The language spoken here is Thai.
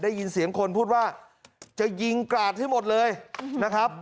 ได้ยินเสียงคนพูดว่าจะยิงกราดให้หมดเลยนะครับ